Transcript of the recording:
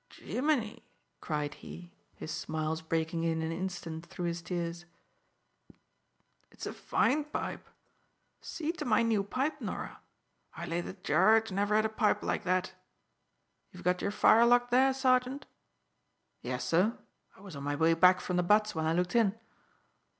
"Jimini!" cried he, his smiles breaking in an instant through his tears. "It's a fine pipe. See to my new pipe, Norah. I lay that Jarge never had a pipe like that. You've got your firelock there, sergeant?" "Yes, sir. I was on my way back from the butts when I looked in."